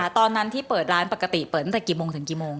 ตอนนั้นที่เปิดร้านปกติเปิดตั้งแต่กี่โมงถึงกี่โมง